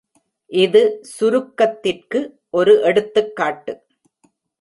இது சுருக்கத்திற்கு ஒரு எடுத்துக்காட்டு.